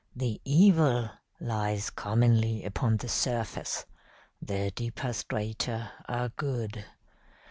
The evil lies commonly upon the surface. The deeper strata are good.